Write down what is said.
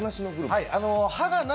はい。